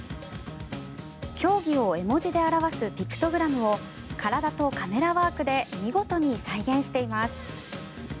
競技を絵文字で表すピクトグラムを体とカメラワークで見事に再現しています。